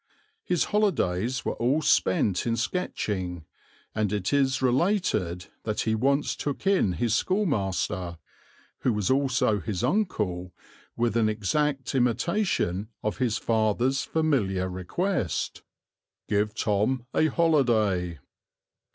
His holidays were all spent in sketching, and it is related that he once took in his schoolmaster, who was also his uncle, with an exact imitation of his father's familiar request "Give Tom a holiday."